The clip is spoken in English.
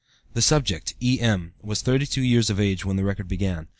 The subject, E.M., was 32 years of age when the record began.